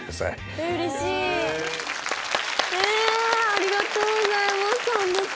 ありがとうございます！